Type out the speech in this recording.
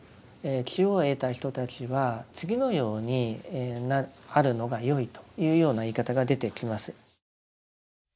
智慧を得た人たちは次のようにあるのがよいというような言い方が出てきます。